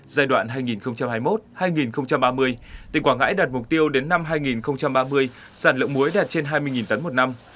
giai đoạn hai nghìn hai mươi một hai nghìn ba mươi tỉnh quảng ngãi đạt mục tiêu đến năm hai nghìn ba mươi sản lượng muối đạt trên hai mươi tấn một năm